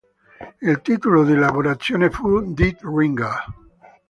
Il titolo di lavorazione fu "Dead Ringer".